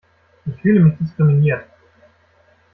Ich fühle mich diskriminiert!